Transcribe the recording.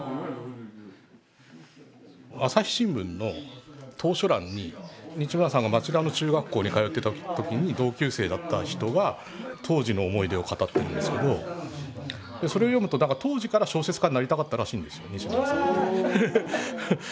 朝日新聞の投書欄に西村さんが町田の中学校に通ってた時に同級生だった人が当時の思い出を語ってるんですけどそれを読むと当時から小説家になりたかったらしいんですよ西村さん。